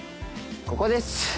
ここです。